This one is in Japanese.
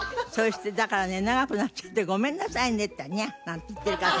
だからね「長くなっちゃってごめんなさいね」って言ったら「ニャー」なんて言ってるから。